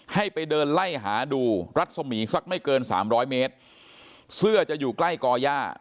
ให้ไปเดินไล่หาดูรัศมีสักไม่เกินสามร้อยเมตรเสื้อจะอยู่ใกล้กอย่า